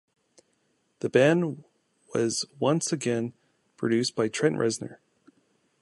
The band was once again produced by Trent Reznor.